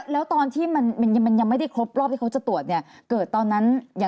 แล้วตอนที่มันยังไม่ได้ครบรอบที่เขาจะตรวจเกิดตอนนั้นอย่างสมมุติว่า